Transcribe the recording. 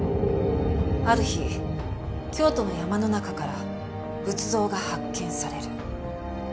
ある日京都の山の中から仏像が発見される。